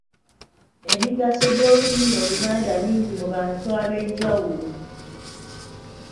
Emigaso gy’Olulimi Oluganda mingi mu bantu ab'enjawulo.